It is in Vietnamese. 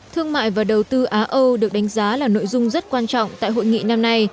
thương mại và đầu tư á âu được đánh giá là nội dung rất quan trọng tại hội nghị năm nay